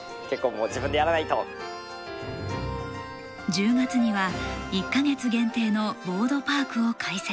１０月には１か月限定のボードパークを開設。